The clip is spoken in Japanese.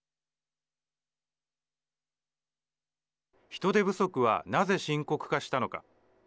人手不足はなぜ深刻化したのか。